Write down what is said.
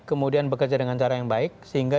kemudian bekerja dengan cara yang baik sehingga